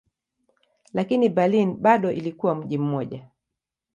Lakini Berlin bado ilikuwa mji mmoja.